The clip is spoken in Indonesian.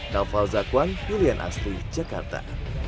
nalfal zakwan julian astri jakarta